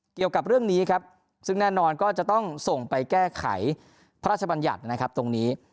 เกี่ยวกับเรื่องนี้ครับซึ่งแน่นอนก็จะต้องส่งไปแก้ไขพระราชบัญญัตินะครับตรงนี้